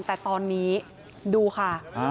แต่ตอนนี้ดูค่ะ